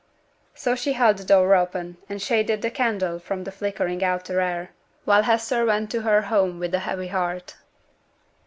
So she held the door open, and shaded the candle from the flickering outer air, while Hester went to her home with a heavy heart.